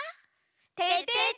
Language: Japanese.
「ててて！